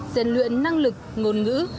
diện luyện năng lực ngôn ngữ